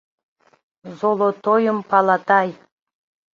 Золотойым палатай